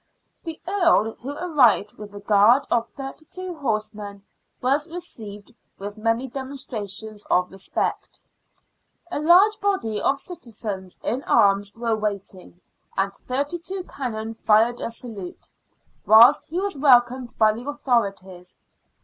The Earl, who arrived with a guard of thirty two horsemen, was received with many demonstrations of respect. A MILITARY ENTHUSIASM. 81 large body of citizens in arms were in waiting, and thirty two cannon fired a salute, whilst he was welcomed by the authorities.